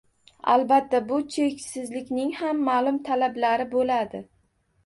Albatta bu cheksizlikning ham maʼlum talablari boʻladi.